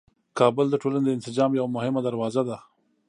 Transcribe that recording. کابل د ټولنې د انسجام یوه مهمه دروازه ده.